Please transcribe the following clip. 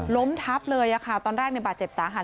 ล้มทับเลยค่ะตอนแรกในบาดเจ็บสาหัส